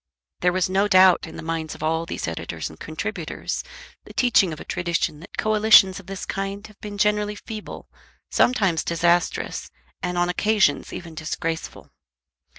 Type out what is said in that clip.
There was no doubt, in the minds of all these editors and contributors, the teaching of a tradition that coalitions of this kind have been generally feeble, sometimes disastrous, and on occasions even disgraceful.